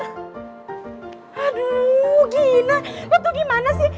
aduh gina lo tuh gimana sih